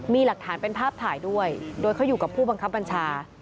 มีหลักฐานเป็นภาพถ่ายด้วยโดยเขาอยู่กับผู้บังคับบัญชา